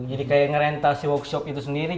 jadi kayak ngerenta workshop itu sendiri